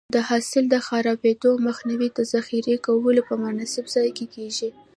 د حاصل د خرابېدو مخنیوی د ذخیره کولو په مناسب ځای کې کېږي.